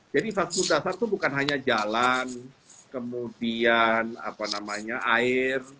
jadi infrastruktur dasar itu bukan hanya jalan kemudian air